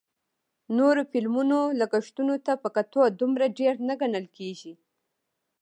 نورو فلمونو لګښتونو ته په کتو دومره ډېر نه ګڼل کېږي